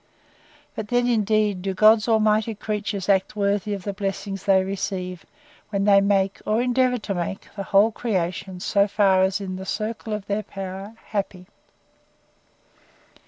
—But then, indeed, do God Almighty's creatures act worthy of the blessings they receive, when they make, or endeavour to make, the whole creation, so far as is in the circle of their power, happy!